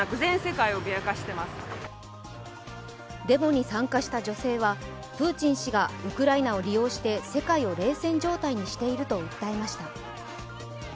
デモに参加した女性はプーチン氏がウクライナを利用して世界を冷戦状態にしていると訴えました。